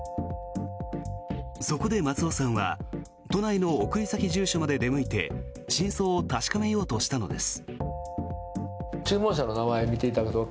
そこで、松尾さんは都内の送り先住所まで出向いて真相を確かめようとしたのです。